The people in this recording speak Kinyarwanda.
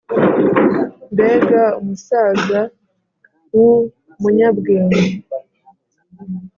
Mbega umusazawu munya bwenge